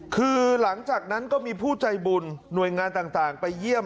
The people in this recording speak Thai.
คือหลังจากนั้นก็มีผู้ใจบุญหน่วยงานต่างไปเยี่ยม